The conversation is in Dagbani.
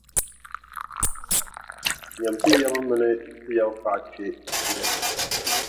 Nyami ti yaba mini ti yabipaɣa kpe ŋɔ.